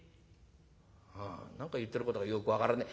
「はあ何か言ってることがよく分からねえ。